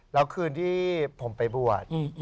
แล้วคืนที่ผมไปบวช